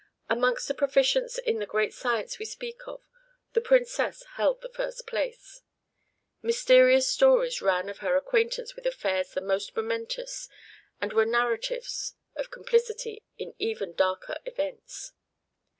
Amongst the proficients in the great science we speak of, the Princess held the first place. Mysterious stories ran of her acquaintance with affairs the most momentous; there were narratives of her complicity in even darker events.